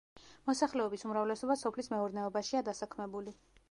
მოსახლეობის უმრავლესობა სოფლის მეურნეობაშია დასაქმებული.